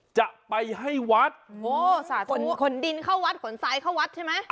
จะไปให้วัดขนดินเข้าวัดขนซ้ายเข้าวัดใช่ไหม